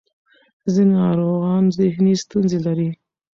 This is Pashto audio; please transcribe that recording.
ځینې ناروغان ذهني ستونزې لري.